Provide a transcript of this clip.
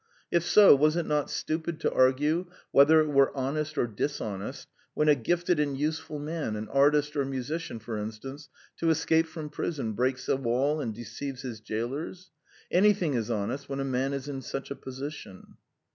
If so, was it not stupid to argue whether it were honest or dishonest when a gifted and useful man an artist or musician, for instance to escape from prison, breaks a wall and deceives his jailers? Anything is honest when a man is in such a position.